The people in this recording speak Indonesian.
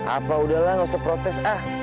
apa udahlah gak usah protes ah